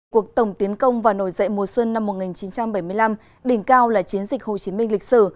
cuộc tổng tiến công và nổi dậy mùa xuân năm một nghìn chín trăm bảy mươi năm đỉnh cao là chiến dịch hồ chí minh lịch sử